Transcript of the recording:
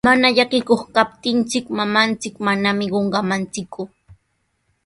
Mana llakikuq kaptinchik, mamanchik manami qunqamanchikku.